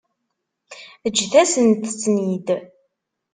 Ǧǧet-asent-ten-id.